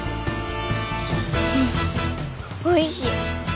おいしい。